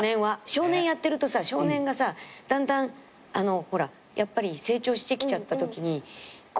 少年やってるとさ少年がだんだんやっぱり成長してきちゃったときに。